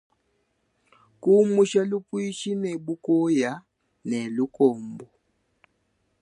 Kumusha lupuishi ne bukoya ne lukombo.